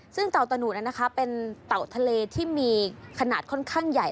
ซึ่งเต่าตะหนุดเป็นเต่าทะเลที่มีขนาดค่อนข้างใหญ่